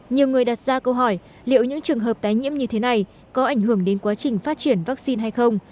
nhiều người đặt ra câu hỏi liệu những trường hợp tái nhiễm như thế này có ảnh hưởng đến quá trình phát triển vaccine hay không